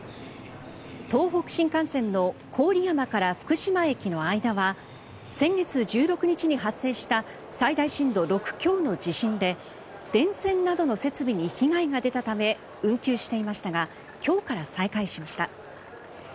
東北新幹線の郡山から福島駅の間は先月１６日に発生した最大震度６強の地震で電線などの設備に被害が出たため運休していましたが今日から再開しました。